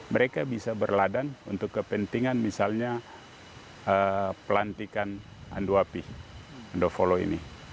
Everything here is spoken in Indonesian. mereka bisa berladang untuk kepentingan misalnya pelantikan anduapi undo volo ini